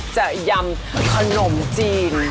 จะยำขนมจีน